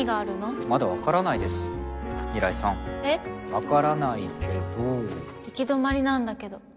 わからないけど行き止まりなんだけど。